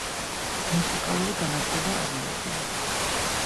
მუსიკალური განათლება არ მიუღია.